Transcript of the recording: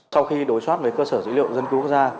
sau khi đối soát về cơ sở dữ liệu dân cư quốc gia